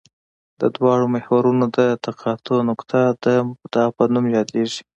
د دواړو محورونو د تقاطع نقطه د مبدا په نوم یادیږي